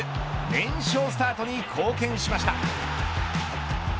連勝スタートに貢献しました。